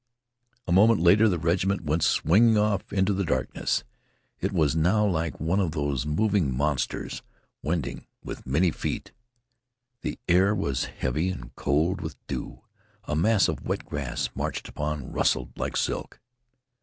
A moment later the regiment went swinging off into the darkness. It was now like one of those moving monsters wending with many feet. The air was heavy, and cold with dew. A mass of wet grass, marched upon, rustled like silk.